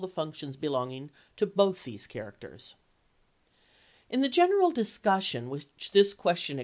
functions belonging to both these characters." HABEAS COEPUS 29 In the general discussion which this question chap.